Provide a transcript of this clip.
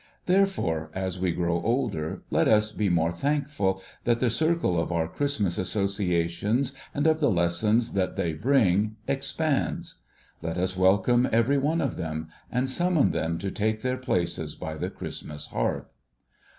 Therefore, as we grow older, let us be more thankful that the circle of our Christmas associations and of the lessons that they bring, expands ! Let us welcome every one of them, and summon them to take their places by the Christmas hearth.